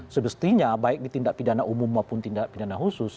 sebestinya baik di tindak pidana umum maupun tindak pidana khusus